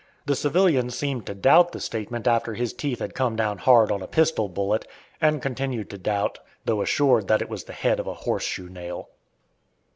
The civilian seemed to doubt the statement after his teeth had come down hard on a pistol bullet, and continued to doubt, though assured that it was the head of a horse shoe nail.